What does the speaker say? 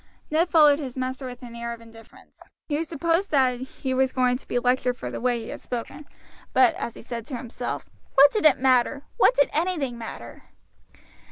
Ned followed his master with an air of indifference. He supposed that he was going to be lectured for the way he had spoken, but as he said to himself, "What did it matter! what did anything matter!"